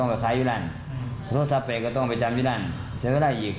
ทุกที่ที่ผมไปใส่ผมไม่เคยรัก